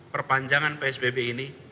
perpanjangan psbb ini